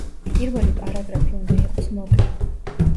პირველი პარაგრაფი უნდა იყოს მოკლე.